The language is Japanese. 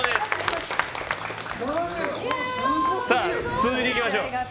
続いていきましょう。